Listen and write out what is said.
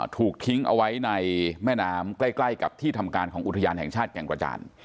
ถูกทิ้งเอาไว้ในแม่น้ำใกล้กับที่ทำการของอุทยานแห่งชาติแก่งกระจาน